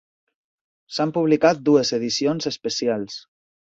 S'han publicat dues edicions especials.